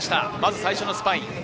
最初のスパイン。